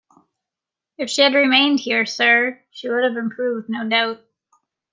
If she had remained here, sir, she would have improved, no doubt.